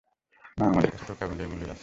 না, আমাদের কাছে তো কেবল এগুলোই আছে।